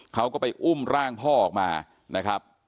เขาก็ไปอุ้มร่างพ่อออกมานะครับ